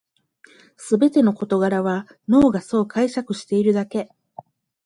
すべての事柄は脳がそう解釈しているだけ